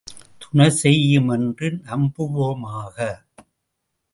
துணை செய்யும் என்று நம்புவோமாக.